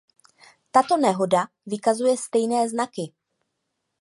Tato nehoda vykazuje stejné znaky.